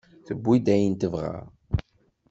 Tewwi-d ayen tebɣa.